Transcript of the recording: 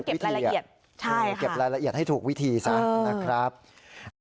ก็เดี๋ยวมาเก็บรายละเอียดให้ถูกวิธีซะนะครับใช่ค่ะ